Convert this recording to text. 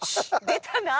出たな。